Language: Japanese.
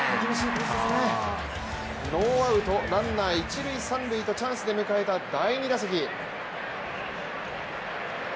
ノーアウトランナー一塁・三塁で迎えた第３打席。